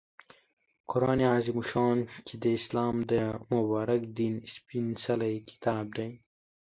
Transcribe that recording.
قرآن عظیم الشان چې د اسلام د مبارک دین سپیڅلی کتاب دی